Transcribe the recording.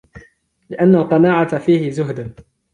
لِأَنَّ الْقَنَاعَةَ فِيهِ زُهْدٌ